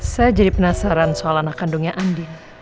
saya jadi penasaran soal anak kandungnya andin